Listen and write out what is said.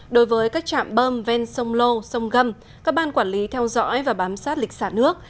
đối với các trạm bơm ven sông lô sông gâm các ban quản lý theo dõi và bám sát lịch xả nước